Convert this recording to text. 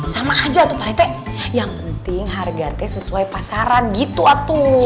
sama aja tuh pak rt yang penting harga te sesuai pasaran gitu atuh